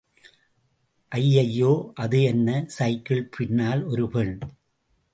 அய்ய்யோ... அது என்ன, சைக்கிள் பின்னால் ஒரு பெண்.